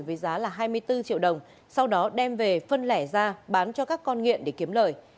với giá là hai mươi bốn triệu đồng sau đó đem về phân lẻ ra bán cho các con nghiện để kiếm lời